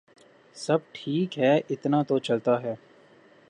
سب ٹھیک ہے ، اتنا تو چلتا ہے ۔